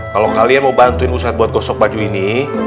kalau kalian mau bantuin pusat buat gosok baju ini